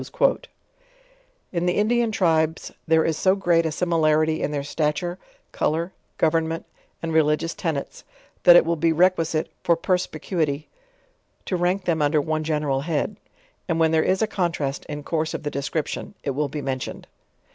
In the Indian tribes there is so great a similarity in their stature, color, government, and religious tenets, that it will bo requisite, for sperspicuity, to rank them under one gen eral head. And; when there is a contrast in course of the description, it will be mentioned.